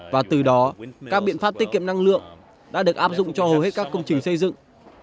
và từ đó các biện pháp tiết kiệm năng lượng đã được áp dụng cho hầu hết các công trình xây dựng